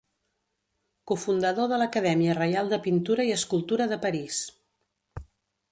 Cofundador de l'Acadèmia Reial de Pintura i Escultura de París.